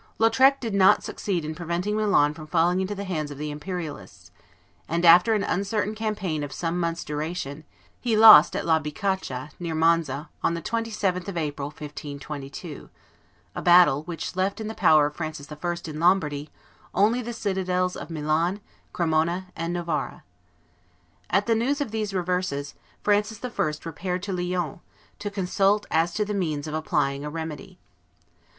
Lautrec did not succeed in preventing Milan from falling into the hands of the Imperialists, and, after an uncertain campaign of some months' duration, he lost at La Bicocca, near Monza, on the 27th of April, 1522, a battle, which left in the power of Francis I., in Lombardy, only the citadels of Milan, Cremona, and Novara. At the news of these reverses, Francis I. repaired to Lyons, to consult as to the means of applying a remedy.